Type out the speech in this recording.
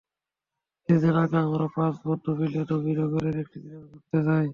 কিছুদিন আগে আমরা পাঁচ বন্ধু মিলে নবীনগরের একটি গ্রামে ঘুরতে যাই।